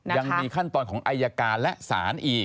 ยังมีขั้นตอนของอายการและศาลอีก